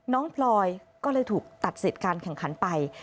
พลอยก็เลยถูกตัดสิทธิ์การแข่งขันไป